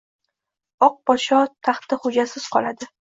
Oq podsho taxti xo‘jasiz qoladi!